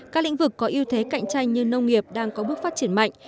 các lĩnh vực có ưu thế cạnh tranh như nông nghiệp đang có bước phát triển mạnh